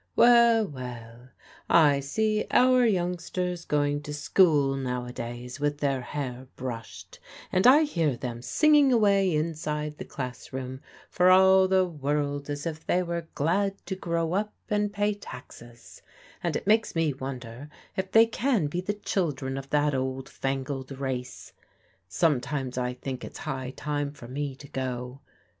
Well, well, I see our youngsters going to school nowadays with their hair brushed, and I hear them singing away inside the classroom for all the world as if they were glad to grow up and pay taxes; and it makes me wonder if they can be the children of that old fangled race. Sometimes I think it's high time for me to go.